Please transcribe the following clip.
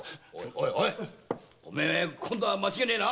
おい今度は間違いねえな？